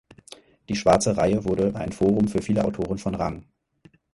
Die Schwarze Reihe wurde ein Forum für viele Autoren von Rang.